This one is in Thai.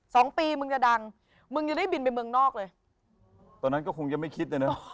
สองปีมึงจะดังมึงจะได้บินไปเมืองนอกเลยตอนนั้นก็คงจะไม่คิดเลยเนอะ